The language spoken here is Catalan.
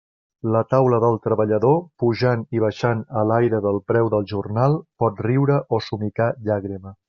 La taula del treballador, pujant i baixant a l'aire del preu del jornal, pot riure o somicar llàgrima.